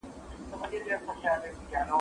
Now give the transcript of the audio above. یوه ورځ عطار د ښار د باندي تللی